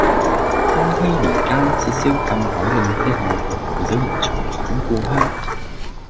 康熙年間撤銷禁海令之後，唔少人重返故鄉